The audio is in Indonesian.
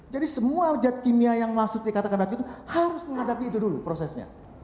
jadi semua jad kimia yang masuk dikatakan ratu itu harus menghadapi itu dulu prosesnya